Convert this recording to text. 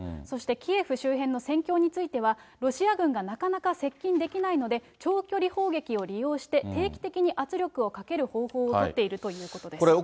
そして、キエフ周辺の戦況については、ロシア軍がなかなか接近できないので、長距離砲撃を利用して、定期的に圧力をかける方法を取っているということです。